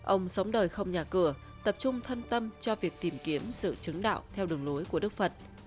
ông sống đời không nhà cửa tập trung thân tâm cho việc tìm kiếm sự chứng đạo theo đường lối của đức phật